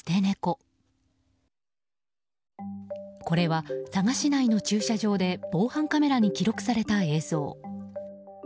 これは佐賀市内の駐車場で防犯カメラに記録された映像。